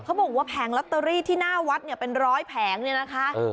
บอกว่าแผงลอตเตอรี่ที่หน้าวัดเนี่ยเป็นร้อยแผงเนี่ยนะคะ